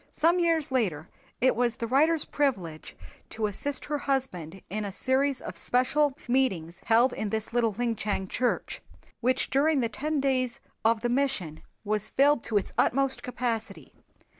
Some years later it was the writer's privilege to assist her husband in a series of special meetings held in this little Linchang church, which during the ten days of the "Mission" was filled to its utmost capacity.